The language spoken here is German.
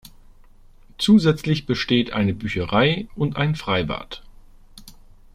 Zusätzlich besteht eine Bücherei und ein Freibad.